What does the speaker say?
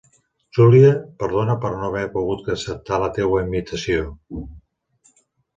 Júlia, perdona per no haver pogut acceptar la teua invitació.